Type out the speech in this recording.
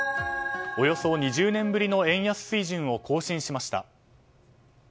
およそ２０年ぶりの円安水準を更新しました。